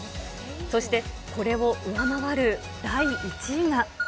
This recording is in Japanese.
そして、これを上回る第１位が。